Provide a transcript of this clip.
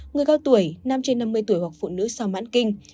người cao tuổi năm trên năm mươi tuổi hoặc phụ nữ sau mãn kinh